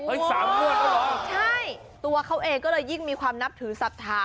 เฮ้ยสามงวดหรอใช่ตัวเขาเองก็เลยยิ่งมีความนับถือศัพทา